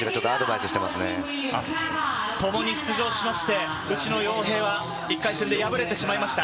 ともに出場しまして、内野洋平は１回戦で敗れてしまいました。